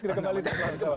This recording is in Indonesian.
kita kembali bersama sama